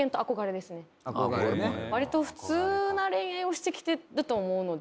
わりと普通な恋愛をしてきてると思うので自分は。